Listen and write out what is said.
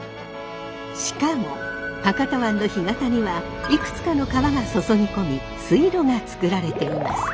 しかも博多湾の干潟にはいくつかの川が注ぎ込み水路がつくられています。